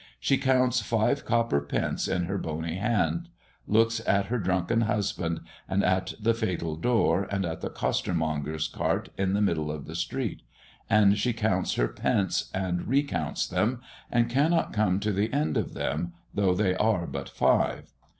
She counts five copper pence in her bony hand, looks at her drunken husband, and at the fatal door, and at the costermonger's cart in the middle of the street; and she counts her pence, and recounts them, and cannot come to the end of them, though they are but five.